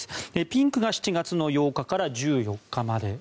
ピンクが７月８日から１４日まで。